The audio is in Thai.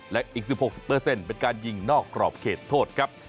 และอีก๑๖เป็นการยิงนอกกรอบเขตโทษครับ